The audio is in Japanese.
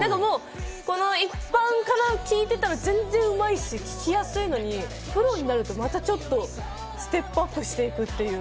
一般から聞いてたら、全然うまいし、聴きやすいのにプロになるとまたちょっとステップアップしていく。